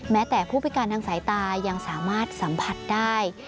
แม้แต่ผู้พิการทางสายตายังสามารถสัมผัสได้